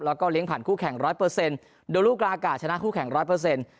แล้วก็เลี้ยงผ่านคู่แข่งร้อยเปอร์เซ็นต์โดลูกราอากาศชนะคู่แข่งร้อยเปอร์เซ็นต์